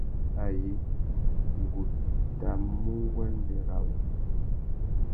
Ayé, ngu tà mu nguêndê râ wô.